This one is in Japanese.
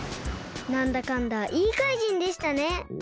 なんだかんだいいかいじんでしたね。